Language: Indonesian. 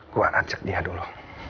gue ajak dia dulu